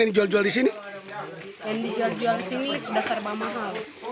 yang dijual jual di sini sudah serba mahal